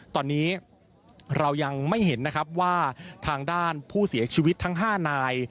ตอนนี้เรายังไม่เห็นนะครับว่าทางด้านผู้เสียชีวิตทั้ง๕นาย